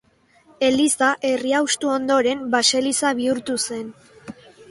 Eliza, herria hustu ondoren, baseliza bihurtu zen.